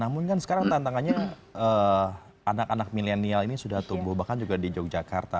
namun kan sekarang tantangannya anak anak milenial ini sudah tumbuh bahkan juga di yogyakarta